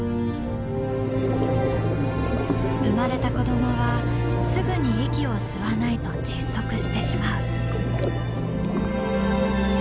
生まれた子どもはすぐに息を吸わないと窒息してしまう。